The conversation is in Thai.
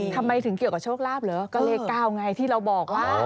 ทำไมถึงเกี่ยวกับโชคลาภเหรอก็เลข๙ไงที่เราบอกว่า